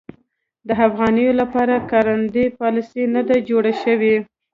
د افغانیو لپاره کارنده پالیسي نه ده جوړه شوې.